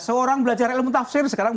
seorang belajar ilmu tafsir sekarang